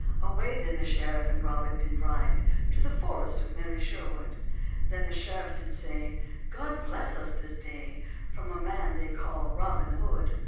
Away then the sheriff and Robin did ride, To the forrest of merry Sherwood; Then the sheriff did say, "God bless us this day From a man they call Robin Hood!"